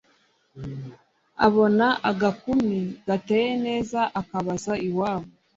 abona agakumi gateye neza. akabaza iwabo